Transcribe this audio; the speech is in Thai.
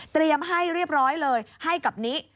เตรียมให้เรียบร้อยเลยให้กับนี้